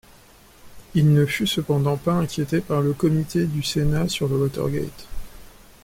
Il ne fut cependant pas inquiété par le Comité du Sénat sur le Watergate.